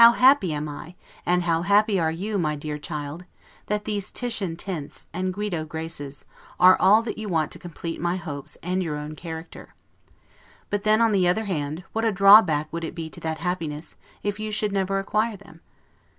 How happy am I, and how happy are you, my dear child, that these Titian tints, and Guido graces, are all that you want to complete my hopes and your own character! But then, on the other hand, what a drawback would it be to that happiness, if you should never acquire them?